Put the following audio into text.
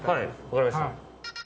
分かりました。